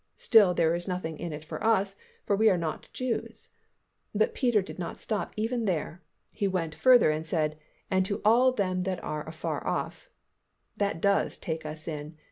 Still there is nothing in it for us, for we are not Jews; but Peter did not stop even there, he went further and said, "And to all them that are afar off." That does take us in.